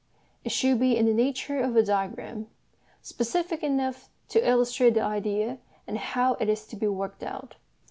It should be in the nature of a diagram, specific enough to illustrate the idea and how it is to be worked out.